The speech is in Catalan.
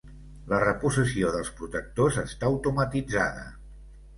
La reposició dels protectors està automatitzada.